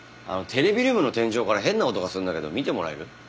テレビルームの天井から変な音がするんだけど見てもらえる？